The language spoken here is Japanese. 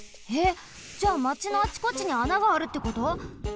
えっじゃあまちのあちこちにあながあるってこと！？